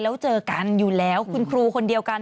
แล้วเจอกันอยู่แล้วคุณครูคนเดียวกัน